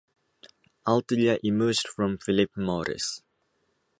Altria emerged from Philip Morris.